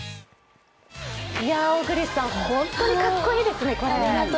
小栗さん、本当にかっこいいですね、これ。